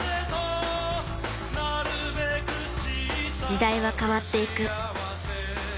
時代は変わっていく。